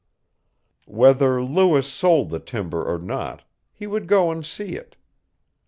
Whether Lewis sold the timber or not, he would go and see it.